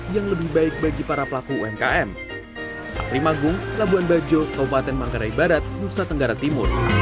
yang lebih baik bagi para pelaku umkm